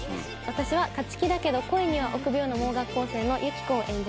私は勝気だけど恋には臆病な盲学校生のユキコを演じます。